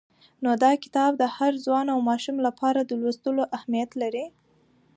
نو دا کتاب د هر ځوان او ماشوم لپاره د لوستلو اهمیت لري.